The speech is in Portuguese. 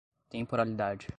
temporalidade